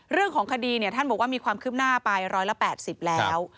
เรื่องของคดีท่านบอกว่ามีความคืบหน้าไป๑๘๐แล้ว